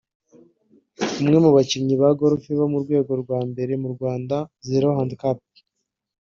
umwe mu bakinnyi ba Golf bo mu rwego rwa mbere mu Rwanda ( Zero Handicap)